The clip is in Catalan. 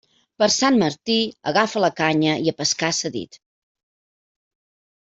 Per Sant Martí, agafa la canya i a pescar s'ha dit.